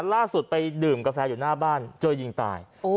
ล่าสุดไปดื่มกาแฟอยู่หน้าบ้านเจอยิงตาย